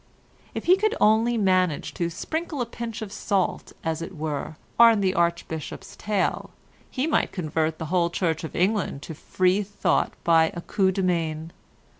If he could only manage to sprinkle a pinch of salt, as it were, on the Archbishop's tail, he might convert the whole Church of England to free thought by a coup de main.